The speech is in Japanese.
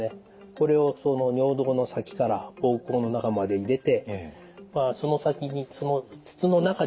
これを尿道の先から膀胱の中まで入れてその先にその筒の中にですね